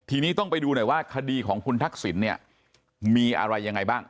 ทีนี้ต้องไปดูหน่อยว่าคดีของคุณทักษิณเนี่ยมีอะไรยังไงบ้าง